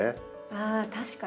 ああ確かに。